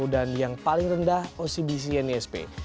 dan yang paling rendah ocbc nisp